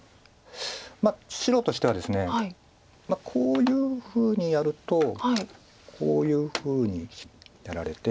まあ白としてはですねこういうふうにやるとこういうふうにやられて。